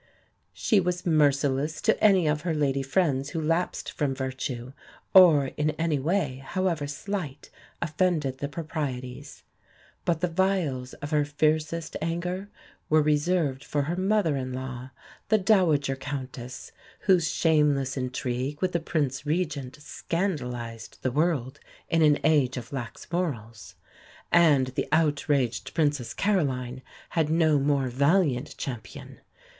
She was merciless to any of her lady friends who lapsed from virtue, or in any way, however slight, offended the proprieties. But the vials of her fiercest anger were reserved for her mother in law, the Dowager Countess, whose shameless intrigue with the Prince Regent scandalised the world in an age of lax morals; and the outraged Princess Caroline had no more valiant champion.